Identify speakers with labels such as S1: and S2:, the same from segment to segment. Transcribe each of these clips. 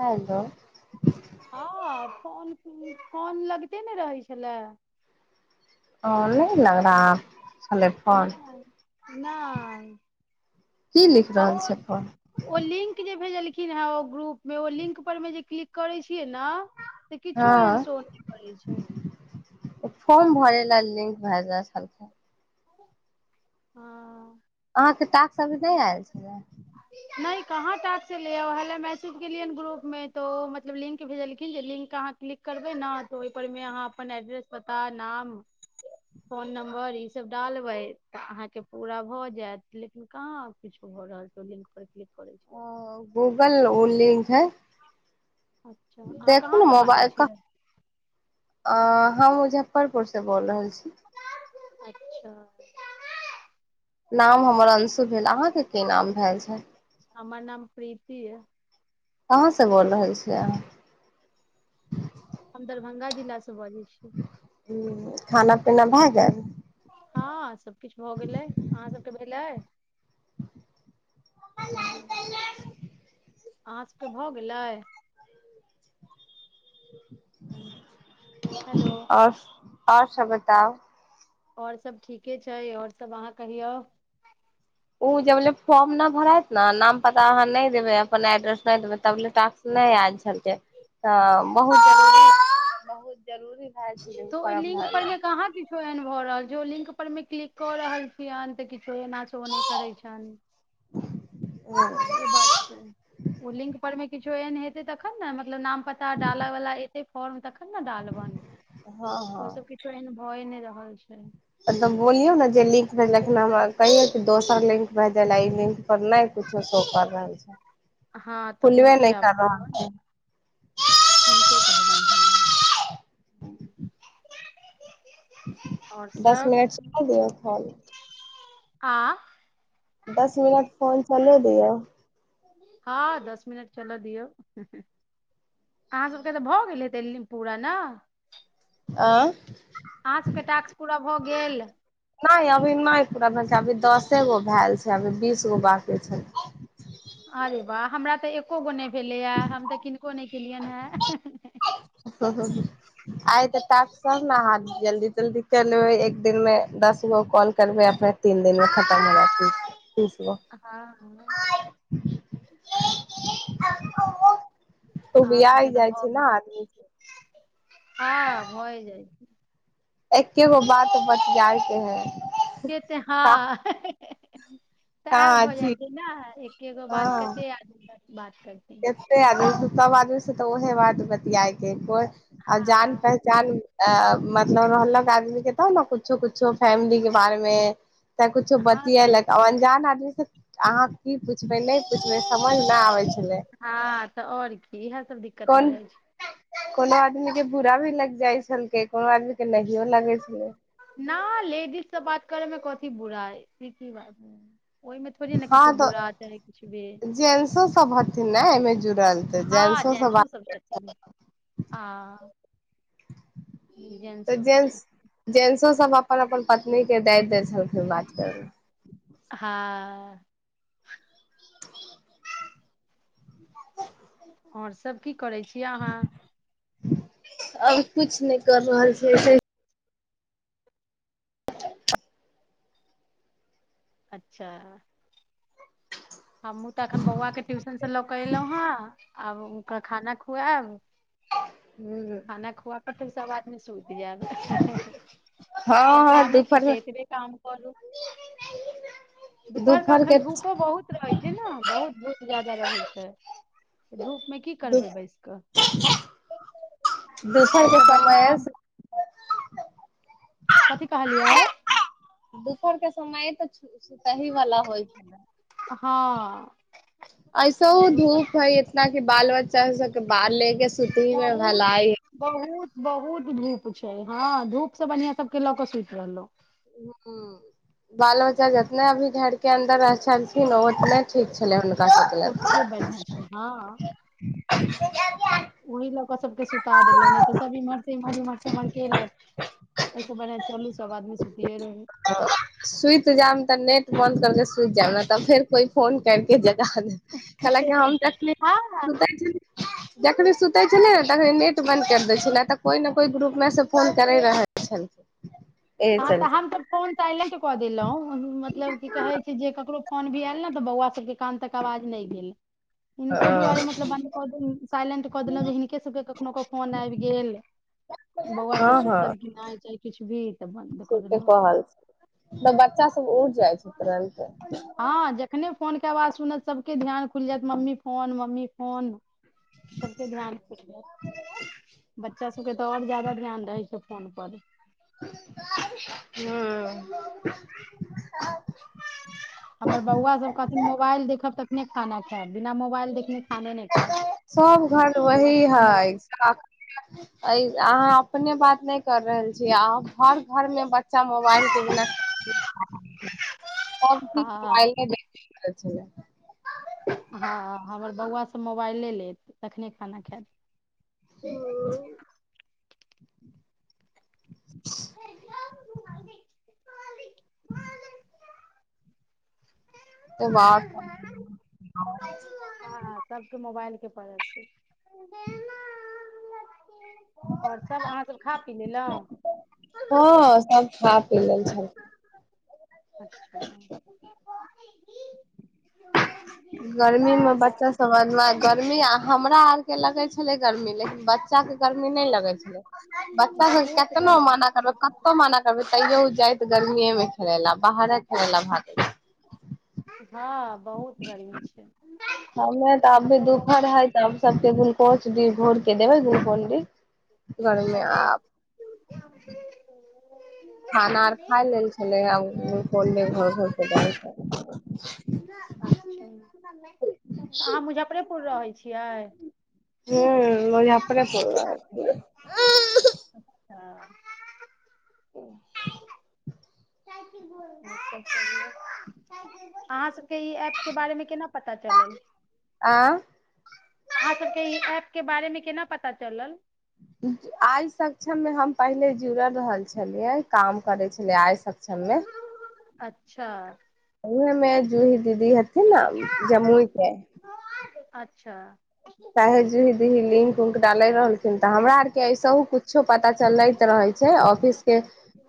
S1: Hello
S2: हँ phone phone लगते ने रहै छलै
S1: आ [inaudible]
S2: नै
S1: की लिख रहल छै फोन
S2: ओ लिंक जे भेजल लखिन हन ओ ग्रुप मे ओ लिंक पर मे जे क्लिक करे छियै न से किछो एहन शो नहि करै छै
S1: फोर्म भरै ले लिंक भए जा सालक [unintelligible]
S2: हँ
S1: अहाँ के टास्क अभी नहि आयल छलै
S2: नहि कहाँ बात केलियैये मैसेज केलियै हन ग्रुप मे तऽ ओ मतलब लिंक भेजलखिन लिंक अहाँ क्लिक करबै ने तऽ ओहि पर मे अहाँ अपन एड्रेस पता नाम फोन नम्बर ई सब डालबै तऽ अहाँके पूरा भऽ जायत लेकिन कहाँ किछु भऽ रहल छै करै छेलै [inaudible]
S1: ओ गूगल ओ लिंक है
S2: अच्छा अहाँ
S1: देखू ने
S2: कहाँसँ बाजै
S1: मोबाइल ओ हम
S2: छियै
S1: बुझाइ मुजफ्फरपुरसँ बोल रहल छी
S2: अच्छा
S1: नाम हमर अंशु भेल अहाँके की नाम भेल छै
S2: हमर नाम प्रीति अय
S1: कहाँसँ बोल रहल छियै अहाँ
S2: हम दरभंगा जिला सँ
S1: हूँ खाना पीना भऽ गेल
S2: हँ सबकिछु भऽ गेलै अहाँ सबके भेलै
S1: लाल कलम [inaudible]
S2: अहाँ सभकेँ भऽ गेलै हेलो
S1: आओर आओर सब बताउ
S2: आओर सभ ठीके छै आओर सभ अहाँ कहियौ
S1: ओ जबले फॉर्म नहि भरात ने नाम पता अहाँ नहि देबै अपन एड्रेस नहि देबै तबले टास्क नहि आयल छल तऽ बहुत जरूरी बहुत जरूरी भए छलै ओ
S2: तऽ ओइ
S1: फॉर्म
S2: लिंक पर
S1: भरनाइ
S2: मे कहाँ बि किछो एहन भऽ रहल छै ओ लिंक पर मे क्लिक कऽ रहल छियनि तऽ किछो एना छै ओ नहि करैत छनि
S1: हँ
S2: से बात छै ओ लिंक परमे किछु किछो एहन हेते तखन ने मतलब नाम पता डालऽ वाला एतै फार्म तखन न डालबन ओ सब किछो एहन भए नहि रहल छै
S1: मतलब बोलियौ ने जे लिंक भेजलखिन हमरा कहियौ कि दोसर लिंक भेजे ले ई लिंक नहि कछो कर रहल छै
S2: हँ तऽ
S1: खुलबे
S2: हुनके
S1: नहि
S2: आब
S1: कर
S2: कहबनि
S1: रहल छै
S2: हुनके कहबनि हँ आओर
S1: दस
S2: सब
S1: मिनट समय दियौ परत
S2: आ
S1: मिनट फोन चलेब यौ
S2: हँ दस मिनट चलऽ दियौ अहाँ सभके तऽ भऽ गेल हेतै पूरा ने
S1: आ
S2: आँहां सब के टाक्स पूरा भ भ गेल?
S1: नहि अभी नहि पूरा अभी दसे गो भेल छै अभी बीस गो बाकी छै
S2: अरे वाह हमरा तऽ एको गो नहि भेलैए हम तऽ किनको नहि केलियनि हेँ
S1: आइ त सब ने अहाँ जल्दी तल्दी कर लेबै एक दिन मे दस गो कॉल करबै अपने तीन दिन में [unintelligible] तीस गो
S2: हँ अहाँ
S1: उबिया
S2: सबके तऽ
S1: जाइ
S2: भऽ
S1: छैय ने
S2: गेल
S1: आदमी।
S2: हँ भए जाइ
S1: एकेगो बात बतियायके है।
S2: केत हँ
S1: कहाँ छी
S2: [unintelligible] एकेगो बात कते याद बात करथिन
S1: केते आदमी सब आदमी से तऽ उहे बात बतियाएके कोइ आब जान
S2: हँ
S1: पहचान अ मतलब रहलक आदमी के तब ने कुछो कुछो फैमिली के बारे मे चाहे कुछो
S2: हँ
S1: बतियक आ अनजान आदमी से अहाँ की पूछबय नहि पूछबय समझ ना आबै छलै।
S2: हँ तऽ आओर की ईहे सब दिक्कत भऽ
S1: कोन
S2: जाइ छैय।
S1: कोनो आदमी के बुरा भी लग जाइ छलकै कोनो आदमी के नहियो लगै छलै।
S2: न लेडीज से बात करे में कथी बुराई। की की बात ओहिमे थोड़े ने किछो
S1: हँ
S2: बुरा
S1: तऽ
S2: चाह किछु भी
S1: जेंट्सो सब हथिन ने एहिमे जुड़ल तऽ
S2: हँ
S1: जेंट्सो
S2: जेन्स सब छथिन हँ।
S1: तऽ
S2: जेंट्सो सब
S1: जेंस
S2: छथिन
S1: जेंससो सब अप अपन अपन पत्नी के दए दे छल जो बात करू।
S2: हँ आओर सब किछु करै छीय अहाँ
S1: आब किछु नहि कर रहल छिये से
S2: अच्छा
S1: [inaudible]
S2: हमहूँ तऽ एखन बौआके ट्यूशन से लऽ कऽ एलहुँ हेँ आब ओकरा खाना खुआएब।
S1: ह
S2: खाना खुआक फेर सब आद सुति जाब आओर
S1: हँ
S2: कामे कि
S1: दुपहर मे
S2: छैै ऐतबे काम करू दुपहर के एखन धूपो बहुत रहै छै ने बहुत धूप ज्यादा रहै छै धूप मे की करबै बैस क
S1: दुपहर के
S2: एहि बढिया
S1: समय
S2: हम कथी कहलियै
S1: दुपहरके समय तऽ सुतही वाला होइ छल
S2: हँ
S1: ऐसो
S2: दुपहर
S1: धूप है इतना बाल बच्चा सबके बाहर लेके सुतही मे
S2: बहुत
S1: भलाई
S2: बहुत बहुत धूप छै हँ धूप सब बढ़ियां सब के लऽ क सुति रहलहुं
S1: ह बाल बच्चा जतना ह अभी ढ के अन्दर छलखिन ओतने ठीक छले
S2: ओते बढ़िआँ छै हँ
S1: सुझ
S2: ओहि ल सबके सुता देलहु तऽ सब इमहर इमहर इमरम्हर केलक एहिसने चलू सब आदमी सुति रह
S1: सुति जायब तऽ नेट बन्द करके सुति जायब ने तऽ फेर कोइ फोन करके जगा देत
S2: ह
S1: देखखने सुतै छल तखनी नेट बन्द कर दै छै ने तऽ कोइ ने कोइ ग्रुप मे से फोन करे रहल छल
S2: हँ तऽ हम त फोन साइलेंट कऽ देलहुँ मतलब की कहैत छै जे ककरो फोन भी आयल ने तऽ बौआ सबके कान तक आवाज नहि भेल हिनको दुआरे
S1: हँ
S2: मतलब ब कऽ देल साइलेंट कऽ देलहुँ जे हिनके सबके कखनो क फोन आबि गेल बौआ सब
S1: हँ हँ
S2: सुतल क नहि चाहे किछु भी
S1: ठीके कहल तऽ बच्चा सब उठ जाइ छै तुरन्ते हूँ
S2: ह जखने फोन के आवाज सुनत सबके ध्यान खुलि जायत मम्मी फोन मम्मी फोन सबस ध्यान जात बच्चा सबके तऽ आओर जादा ध्यान रहै छै फोन पर हमर बौआ सब कहथिन मोबाइल देखब तखने खाना खायब बिना मोबाइल देख
S1: सभ घर
S2: बौआ
S1: वही
S2: सबके
S1: हइ
S2: मोबाइल
S1: एज अहाँ अपने बात नहि कर रहल छियै आ हर घर मे बच्चा मोबाइल केटी सभ दिन
S2: हँ
S1: मोबाइल देखतऐ अच्छा
S2: त मोबाइले लेत तखने खाना खाइत ह
S1: [unintelligible] त बाहर
S2: हँ सबके मोबाइल परहल छै आओर सभ अहाँसभ खा पी लेलहुँ
S1: खाब प लेल छै
S2: अच्छा
S1: गर्मी मे
S2: अहाँके बौआ
S1: बच्चा सब गर्मी हमरा आर के लगे छले गर्मी लेकिन बच बच्चा के गर्मी नहि लगे छले बच्चा सब
S2: बहुत
S1: केतना
S2: गर्मी
S1: मना करबै कतो मना करबै तैयो जाइत गर्मीए मे खेले ला बाहरे खेले ल भाग
S2: हँ बहुत गर्मी छै
S1: हमे तऽ अ भी
S2: हमरो बौआ
S1: दुपहर
S2: सब-
S1: है तऽ सब टेबुल कोच दी भोरके देव दू फोल्डिं
S2: अच्छा
S1: खाना आर खाय लेल छलै आ पले घर घर प ग
S2: अच्छा क रहै छियै
S1: हुँ मने अपने आ
S2: हँ
S1: ओ
S2: अहाँ सभ ई ऐप के बारेमे केना पता चलल
S1: आ
S2: अहाँ सबके ई एऐप के बारेमे केना पता चलल
S1: आइ सक्षममे हम पहिले जुड़ल रहल छलियै काम करै छलियै आइ सक्षम मे
S2: अच्छा
S1: उ मैं जुईी दीदी ह की नाम जमूइ कें
S2: अच्छा
S1: साहे जी दीदी लिंक हुनक ले रहलखिन तऽ हमरा आर के ऐसहु कुछो पता चलैत रहे छै जे ऑफिस कें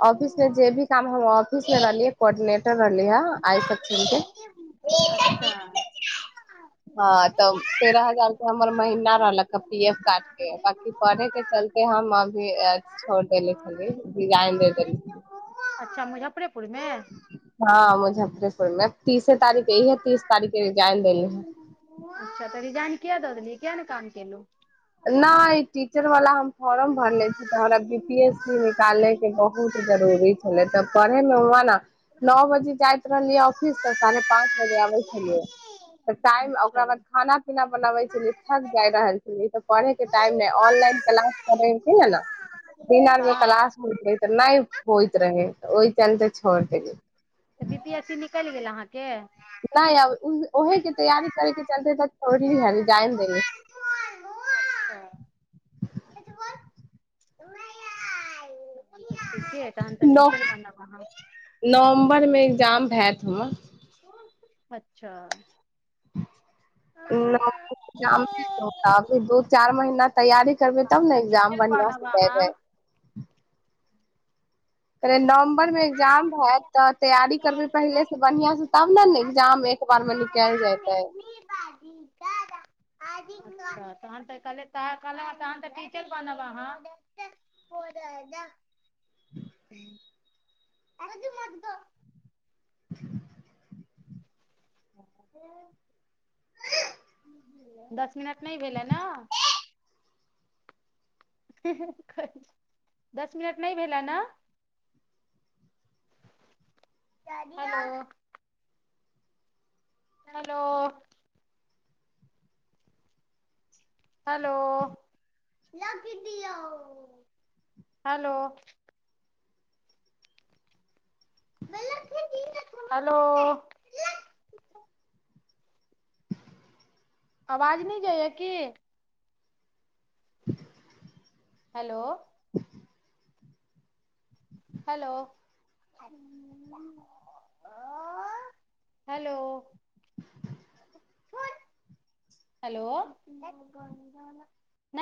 S1: ऑफिस कें जे भी काम हम ऑफिस मे रहलिए कोडिनेटर रहलिए आय तक
S2: अच्छा
S1: हाँ त तेरह हजार हमर महीना रहलक पी एफ कार्ड के बाकी पढ़े के चलते हम अभी छोड़ देले छली डिजाइने
S2: अच्छा मुझजाप अपे
S1: हँ मुजफ्फरपुरमे तीसे तारीख यह है तीस तारीखके रिजाइन लेली है
S2: अच्छा तऽ रिजाइन किया ददेलिए किया ने काम केलूँ
S1: नहि ई टीचर वाला हम फोर्म भरले छी तऽ हमरा बी पी एस सी निकाले बहुत जरूरी छलै तऽ पढ़े मे हु ने नओ बजे जाइत रहलियै ऑफिस तऽ साढ़े पाँच बजे आबे छलियै त टाइम
S2: अच्छा
S1: ओकरा बाद खाना पीना बनाबे छलियै थक जा रहल छल पढ़े के टाइम
S2: हँ
S1: नहि ऑनलाइन क्लास करे ने िनर मे
S2: हँ
S1: क्लास तऽ नहि होइत रहै ओहि च ते छड़ द
S2: तऽ बी पी एस सी निकलि गेल अहाँके
S1: नहि ओहेके तैयारी करै के चलते तक छोड़ली ह जइ दी
S2: अच्छा उरया
S1: नव
S2: बनब अहाँ
S1: नवम्बरमे एग्जाम हयैत हमरा
S2: अच्छा
S1: अभी दू चार महीना तैयारी करबै तब
S2: तहन
S1: ने
S2: तऽ
S1: ए्जाम
S2: टीचर
S1: बढ़िआं से
S2: बनब अहाँ
S1: देबै [unintelligible] े नवम्बर मे एग्जाम हयत तऽ तैयारी करबी पहिले से बढ़ियां से तब ने ने एग्जाम एक बार मे न कल जाता है
S2: अच्छा तहन तऽ कहल तहन तऽ टीचर बनब अहाँ
S1: ह
S2: अ जे म त
S1: ह
S2: दस मिन नहि भेल ह ने दस मिनट नहि भेलै ने हो हेलो हेलो हेलो हेलो आवाज नहि जाइया की हेलो हेलो हेलो कोन हेलो